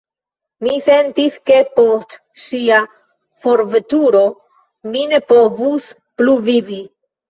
Mi sentis, ke post ŝia forveturo, mi ne povus plu vivi.